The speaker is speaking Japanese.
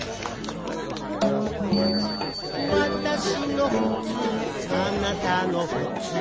「私のふつう、あなたのふつう、」